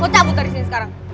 oh cabut dari sini sekarang